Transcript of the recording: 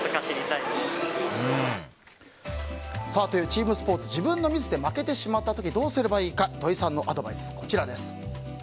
チームスポーツ自分のミスで負けてしまった時どうすればいいか土井さんのアドバイスこちらです。